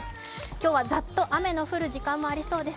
今日はざっと雨の降る時間もありそうです。